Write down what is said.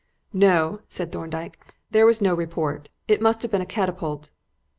"No," said Thorndyke, "there was no report; it must have been a catapult."